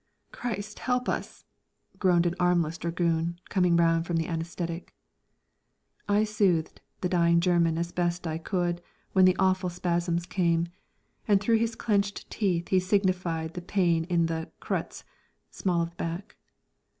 "Christ help us!" groaned an armless dragoon, coming round from the anæsthetic. I soothed the dying German as best I could when the awful spasms came, and through his clenched teeth he signified the pain in the "kreuz" (small of the back).